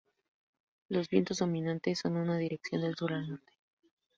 Los vientos dominantes son en dirección del sur al norte.